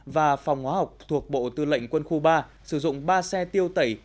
và phòng hóa học thuộc bộ tư lệnh quân khu ba sử dụng ba xe tiêu tẩy